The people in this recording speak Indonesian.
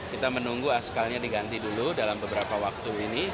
kita menunggu askalnya diganti dulu dalam beberapa waktu ini